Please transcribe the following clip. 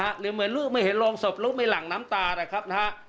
หรือเหมือนลูกไม่เห็นโรงศพลูกไม่หลั่งน้ำตานะครับนะฮะ